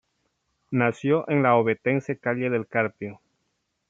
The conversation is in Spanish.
Nació en la ovetense calle del Carpio.